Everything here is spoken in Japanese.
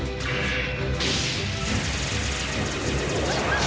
あっ！